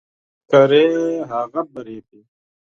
چې څه کرې هغه به ريبې